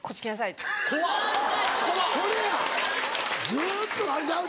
ずっとあれちゃう？